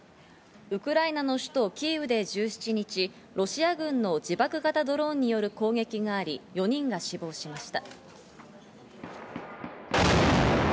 ウクライナの首都キーウで１７日、ロシア軍の自爆型ドローンによる攻撃があり、４人が死亡しました。